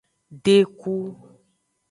Deku.